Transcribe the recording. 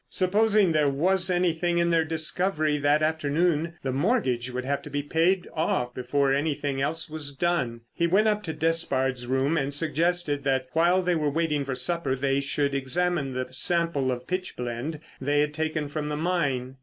Supposing there was anything in their discovery that afternoon the mortgage would have to be paid off before anything else was done. He went up to Despard's room and suggested that while they were waiting for supper they should examine the sample of pitch blende they had taken from the mine.